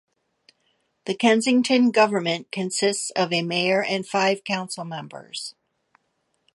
The Kensington government consists of a mayor and five council members.